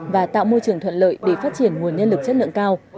và tạo môi trường thuận lợi để phát triển nguồn nhân lực chất lượng cao